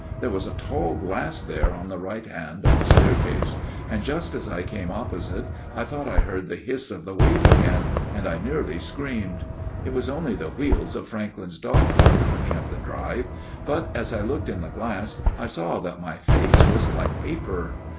There was a tall glass there on the right hand of the staircase, and just as I came opposite I thought I heard the hiss of the wave again, and I nearly screamed. It was only the wheels of Franklyn's dog cart coming up the drive, but as I looked in the glass I saw that my face was like paper.